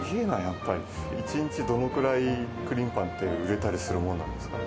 やっぱり１日どのくらいクリームパンって売れたりするものなんですか？